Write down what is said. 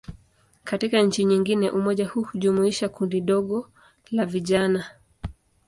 Katika nchi nyingine, umoja huu hujumuisha kundi dogo tu la vijana.